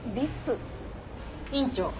院長。